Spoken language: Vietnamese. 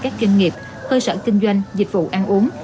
cơ sở kinh doanh dịch vụ ăn uống